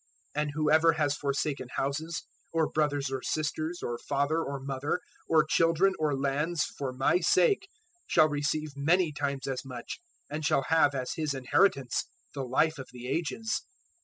019:029 And whoever has forsaken houses, or brothers or sisters, or father or mother, or children or lands, for my sake, shall receive many times as much and shall have as his inheritance the Life of the Ages.